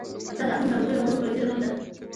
دا د اقلیم، ناروغیو او نورو فرضیې له مخې نه ده.